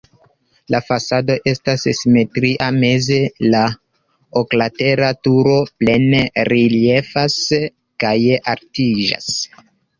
La fasado estas simetria, meze la oklatera turo plene reliefas kaj altiĝas.